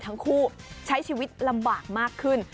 ทั้งคู่ใช้ชีวิตลำบากมากขึ้น